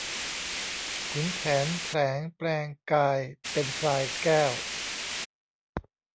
ขุนแผนแผลงแปลงกายเป็นพลายแก้ว